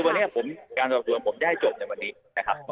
คือวันนี้ผมการสอบตัวผมได้จบจากวันนี้นะครับอ๋อ